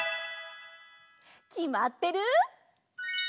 きまってる？